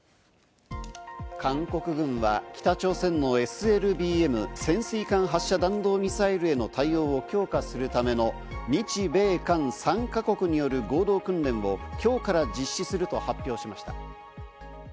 韓国軍は北朝鮮のＳＬＢＭ＝潜水艦発射弾道ミサイルへの対応を強化するための日米韓３か国による合同訓練を今日から実施すると発表しました。